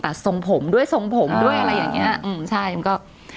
ทรงผมด้วยทรงผมด้วยอะไรอย่างเงี้ยอืมใช่มันก็